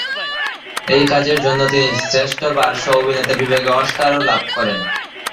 এই কাজের জন্য তিনি শ্রেষ্ঠ পার্শ্ব অভিনেতা বিভাগে অস্কার লাভ করেন।